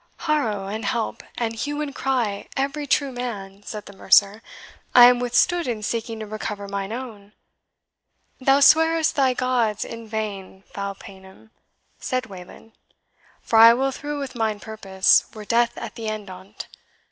"Haro and help, and hue and cry, every true man!" said the mercer. "I am withstood in seeking to recover mine own." "Thou swearest thy gods in vain, foul paynim," said Wayland, "for I will through with mine purpose were death at the end on't.